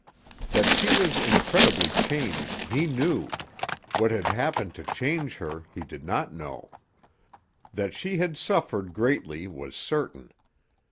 That she was incredibly changed he knew, what had happened to change her he did not know. That she had suffered greatly was certain.